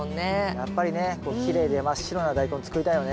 やっぱりねこうきれいで真っ白なダイコン作りたいよね。